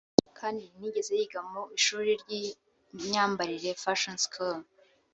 kandi ntiyigeze yiga mu ishuri ry’imyambarire (fashion school)